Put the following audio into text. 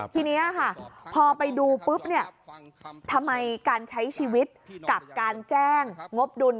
ทีนี้ค่ะพอไปดูปุ๊บเนี่ยทำไมการใช้ชีวิตกับการแจ้งงบดุล